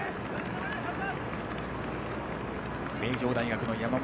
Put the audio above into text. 名城大学の山本